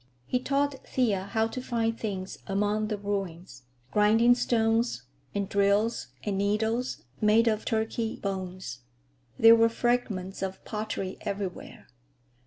He taught Thea how to find things among the ruins: grinding stones, and drills and needles made of turkey bones. There were fragments of pottery everywhere.